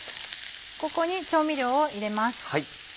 ここに調味料を入れます。